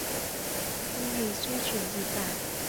Không hề suy chuyển gì cả